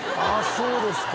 そうですか。